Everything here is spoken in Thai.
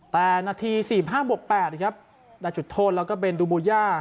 แต่นาทีสี่ห้าบวกแปดครับได้จุดโทษแล้วก็เป็นดูบูย่า